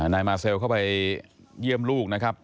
นายมาเซลเข้าไปเยี่ยมลูกนะครับ